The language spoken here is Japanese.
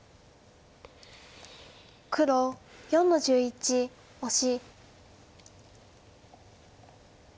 黒４の十一オシ。